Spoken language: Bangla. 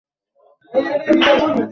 এ বর্ণনাটির রাবীগণ বিশ্বস্ত।